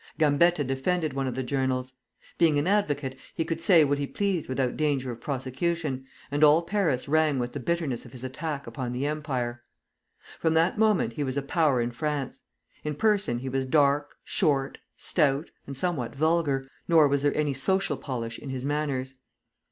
Gambetta defended one of the journals. Being an advocate, he could say what he pleased without danger of prosecution, and all Paris rang with the bitterness of his attack upon the Empire. From that moment he was a power in France. In person he was dark, short, stout, and somewhat vulgar, nor was there any social polish in his manners.